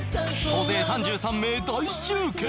総勢３３名大集結！